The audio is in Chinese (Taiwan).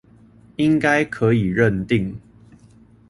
應該可以認定